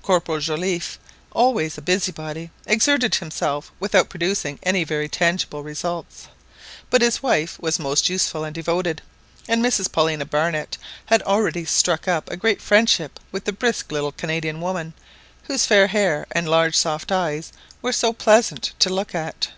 Corporal Joliffe, always a busybody, exerted himself without producing any very tangible results; but his wife was most useful and devoted; and Mrs Paulina Barnett had already struck up a great friendship with the brisk little Canadian woman, whose fair hair and large soft eyes were so pleasant to look at.